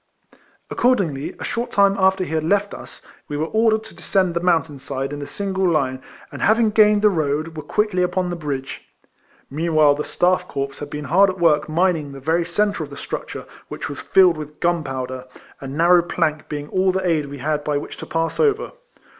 Accordingly, a short time after he had left OS, we were ordered to descend the moun tain side in single hie, and having gained the road, were quickly upon the bridge. Meanwhile the StaiF Corps had been hard at work mining the very centre of the structure, ^vdiich was filled with gunpowder, a narrow plank being all the aid we had by which to pass over.